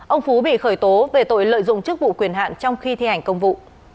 ông phú bị khởi tố về tội lợi dụng chức vụ quyền hạn trong khi thi hành công vụ